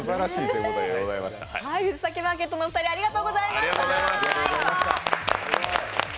藤崎マーケットのお二人ありがとうございました。